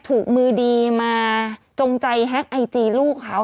ถูกมือดีมาจงใจแฮ็กไอจีลูกเขา